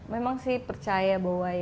memang sih percaya bahwa